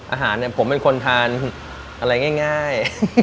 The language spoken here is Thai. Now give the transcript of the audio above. อาหารผมเป็นคนทานอะไรง่าย